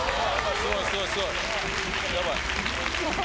すごいすごいすごい！